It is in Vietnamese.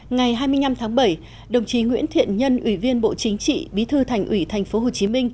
ngày hai mươi năm tháng bảy đồng chí nguyễn thiện nhân ủy viên bộ chính trị bí thư thành ủy tp hcm